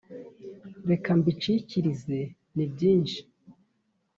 reka mbicikirize ni byinshi